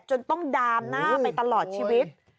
จนต้องดามหน้าไปตลอดชีวิต